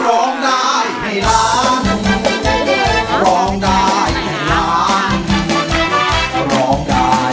ทุกคนนี้ก็ส่งเสียงเชียร์ทางบ้านก็เชียร์